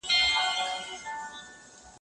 یه خوږې جذبې ! څه لېچې خو راتاو کړه